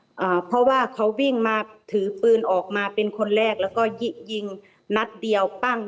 อ่าเพราะว่าเขาวิ่งมาถือปืนออกมาเป็นคนแรกแล้วก็ยิงนัดเดียวปั้ง